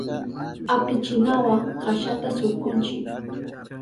Apichinawa kashata surkunchi.